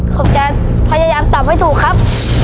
ผมจะพยายามตอบให้ถูกครับ